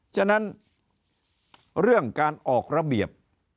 ฉะนั้นเรื่องการออกระเบียบ